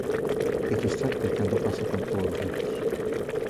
É frustrante cando pasa con todos os libros.